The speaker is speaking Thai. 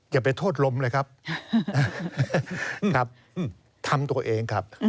อย่าไปโทษลมเลยครับครับทำตัวเองครับ